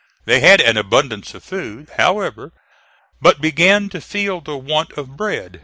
They had an abundance of food, however, but began to feel the want of bread.